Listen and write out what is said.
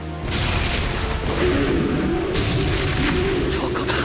どこだ！！